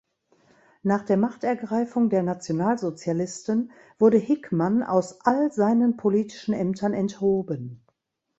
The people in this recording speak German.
Nach der Machtergreifung der Nationalsozialisten wurde Hickmann aus all seinen politischen Ämtern enthoben.